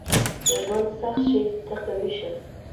• که ژوند سخت شي، ته قوي شه.